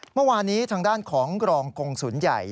เมื่อวานนี้ทางด้านของกรองกงศูนย์ใหญ่